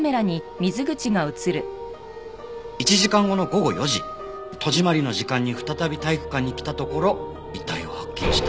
１時間後の午後４時戸締まりの時間に再び体育館に来たところ遺体を発見した。